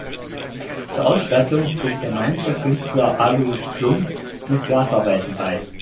Zur Ausstattung trug der Mainzer Künstler Alois Plum mit Glasarbeiten bei.